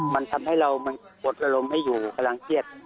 มันทำให้เรามันกดอารมณ์ไม่อยู่กำลังเครียด